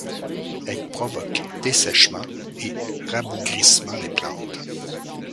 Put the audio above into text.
Elles provoquent dessèchement et rabougrissement des plantes.